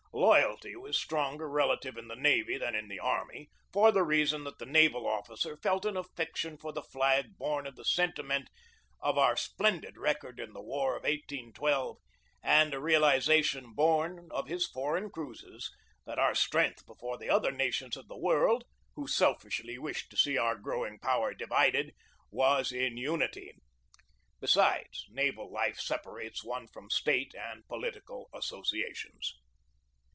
Loyalty was stronger relatively in the navy than in the army, for the reason that the naval officer felt an affection for the flag born of the senti ment of our splendid record in the War of 1812, and a realization born of his foreign cruises, that our strength before the other nations of the world, who selfishly wished to see our growing power divided, was in unity. Besides, naval life separates one from State and political associations.